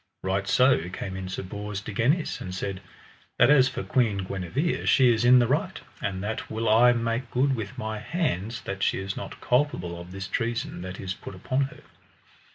Right so came in Sir Bors de Ganis, and said: That as for Queen Guenever she is in the right, and that will I make good with my hands that she is not culpable of this treason that is put upon her.